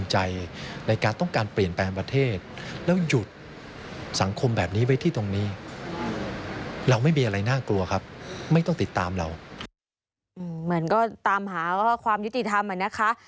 เหมือนก็ตามหาว่าความยุติธรรมอะนะคะ